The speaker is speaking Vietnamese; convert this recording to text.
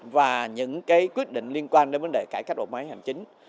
và những quyết định liên quan đến vấn đề cải cách bộ máy hành chính